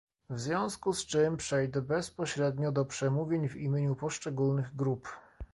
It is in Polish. W związku z czym przejdę bezpośrednio do przemówień w imieniu poszczególnych grup